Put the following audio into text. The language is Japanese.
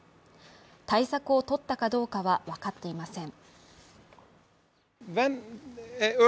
対策を取ったかどうかは分かっていません。